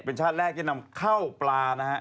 เป็นชาติแรกที่นำเข้าปลานะฮะ